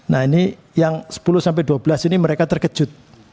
nah ini yang sepuluh sampai dua belas ini mereka terkejut